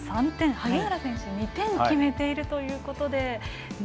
萩原選手が２点決めているということで。